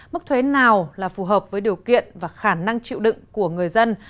mức thuế nào là phù hợp với điều kiện và khả năng chịu đựng của người dân